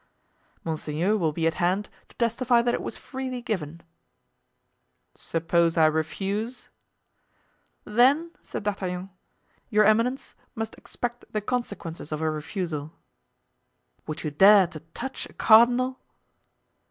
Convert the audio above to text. "Monseigneur will be at hand to testify that it was freely given." "Suppose I refuse?" "Then," said D'Artagnan, "your eminence must expect the consequences of a refusal." "Would you dare to touch a cardinal?"